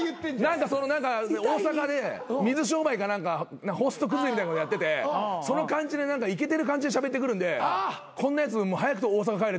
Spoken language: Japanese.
大阪で水商売か何かホスト崩れみたいなことやっててその感じでイケてる感じでしゃべってくるんでこんなやつ早く大阪帰れと思ってやっちゃった。